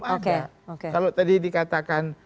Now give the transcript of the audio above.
ada kalau tadi dikatakan